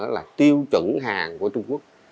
đó là tiêu chuẩn hàng của trung quốc